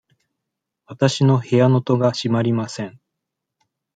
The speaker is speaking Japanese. わたしの部屋の戸が閉まりません。